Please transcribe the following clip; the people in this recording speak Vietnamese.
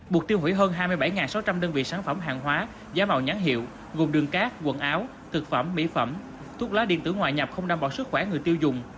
buộc tiêu hủy hơn hai mươi bảy sáu trăm linh đơn vị sản phẩm hàng hóa giả mạo nhãn hiệu gồm đường cát quần áo thực phẩm mỹ phẩm thuốc lá điện tử ngoại nhập không đảm bảo sức khỏe người tiêu dùng